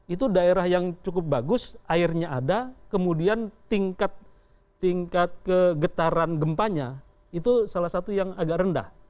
itu daerah yang cukup bagus airnya ada kemudian tingkat kegetaran gempanya itu salah satu yang agak rendah